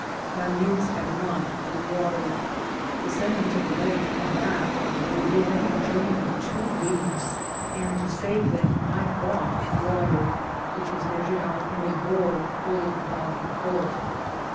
My mules had not been watered. To send them to the lake and back would give them a journey of two leagues ; and to save them I bought water, which was measured out in a gourd holding about a quart.